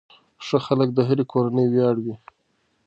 ښه خلک د هرې کورنۍ ویاړ وي.